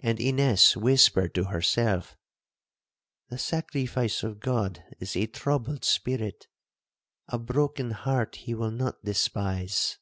And Ines whispered to herself, 'The sacrifice of God is a troubled spirit,—a broken heart he will not despise.'